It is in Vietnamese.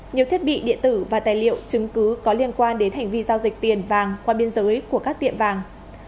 nhiều thiết bị điện tử và tài liệu chứng cứ có liên quan đến hành vi giao dịch tiền vàng qua biên giới của các tiệm vàng